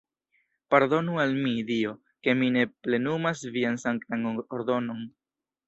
Pardonu al mi, Dio, ke mi ne plenumas vian sanktan ordonon!